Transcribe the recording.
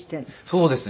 そうです。